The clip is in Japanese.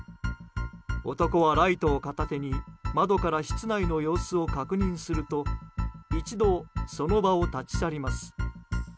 男はライトを片手に窓から室内の様子を確認すると一度、その場を立ち去ります。